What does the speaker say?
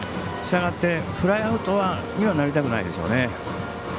したがって、フライアウトにはなりたくないでしょうね。